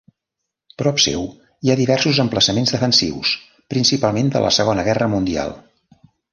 Prop seu hi ha diversos emplaçaments defensius, principalment de la Segona Guerra Mundial.